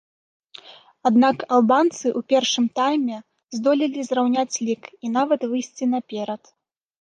Аднак албанцы ў першым тайме здолелі зраўняць лік і нават выйсці наперад.